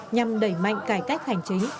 nhằm đẩy mạnh cải cách hành chính